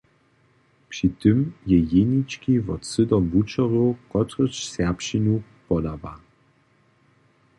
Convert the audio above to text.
Při tym je jenički wot sydom wučerjow, kotryž serbšćinu podawa.